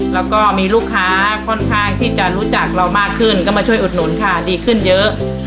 แล้วก็มีลูกค้าค่อนข้างที่จะรู้จักเรามากขึ้นก็มาช่วยอุดหนุนค่ะดีขึ้นเยอะ